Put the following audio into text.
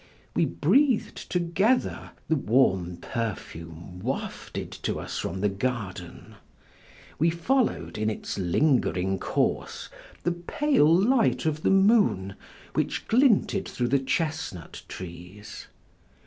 We breathed together, the warm perfume wafted to us from the garden; we followed, in its lingering course, the pale light of the moon which glinted through the chestnut trees.